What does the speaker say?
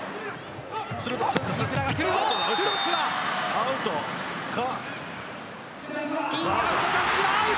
アウトか？